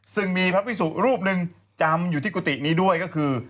ซึ่งมีพระพิสุรูปหนึ่งจำอยู่ที่กุฏินี้ด้วยก็คือ